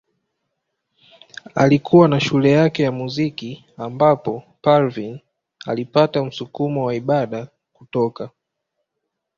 Alikuwa na shule yake ya muziki ambapo Parveen alipata msukumo wa ibada kutoka.